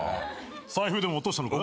財布でも落としたのかい？